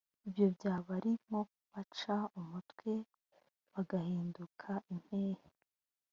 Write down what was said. ibyo byaba ari nko kubaca umutwe bagahinduka impehe